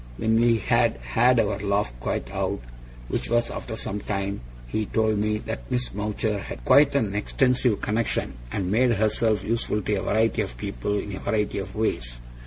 When we had had our laugh quite out, which was after some time, he told me that Miss Mowcher had quite an extensive connexion, and made herself useful to a variety of people in a variety of ways.